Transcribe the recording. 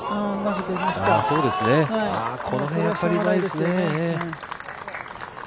この辺やっぱりうまいですね。